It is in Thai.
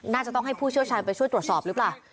น่าจะต้องให้ผู้เชี่ยวชาญไปช่วยตรวจสอบหรือเปล่า